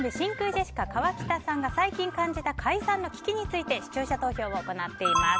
ジェシカ川北さんが最近感じた解散の危機について視聴者投票を行っています。